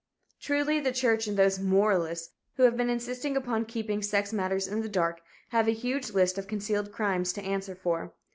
Truly the church and those "moralists" who have been insisting upon keeping sex matters in the dark have a huge list of concealed crimes to answer for.